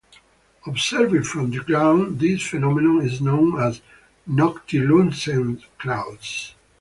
Observed from the ground, this phenomenon is known as noctilucent clouds.